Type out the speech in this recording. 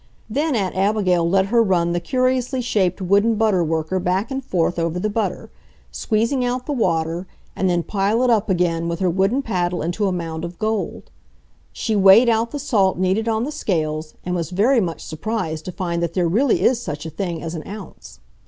Then Aunt Abigail let her run the curiously shaped wooden butter worker back and forth over the butter, squeezing out the water, and then pile it up again with her wooden paddle into a mound of gold. She weighed out the salt needed on the scales, and was very much surprised to find that there really is such a thing as an ounce.